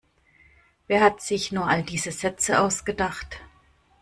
Wer hat sich nur all diese Sätze ausgedacht?